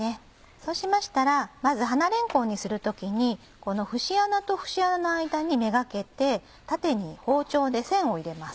そうしましたらまず花れんこんにする時にこの節穴と節穴の間にめがけて縦に包丁で線を入れます。